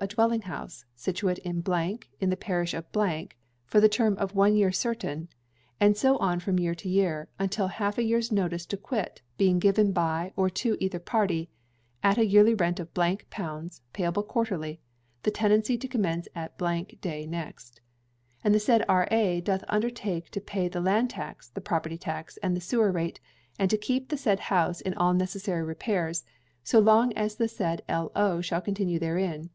a dwelling house, situate in , in the parish of , for the term of one year certain, and so on from year to year, until half a year's notice to quit be given by or to either party, at the yearly rent of pounds, payable quarterly; the tenancy to commence at day next. And the said R.A. doth undertake to pay the land tax, the property tax, and the sewer rate, and to keep the said house in all necessary repairs, so long as the said L.O. shall continue therein.